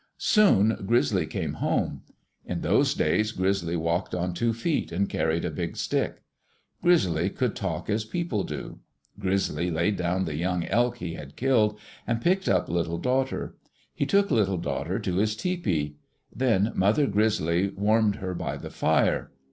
Soon Grizzly came home. In those days Grizzly walked on two feet, and carried a big stick. Grizzly could talk as people do. Grizzly laid down the young elk he had killed and picked up Little Daughter. He took Little Daughter to his tepee. Then Mother Grizzly warmed her by the fire.